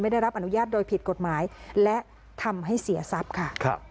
ได้รับอนุญาตโดยผิดกฎหมายและทำให้เสียทรัพย์ค่ะ